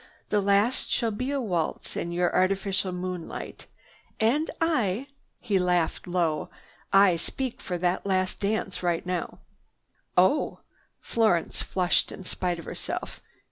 The last shall be a waltz in your artificial moonlight. And I—" he laughed low. "I speak for that last dance right now." "Oh!" Florence flushed in spite of herself.